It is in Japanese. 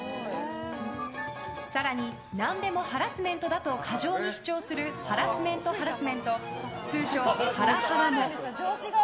更に、何でもハラスメントだと過剰に主張するハラスメントハラスメント通称ハラハラも。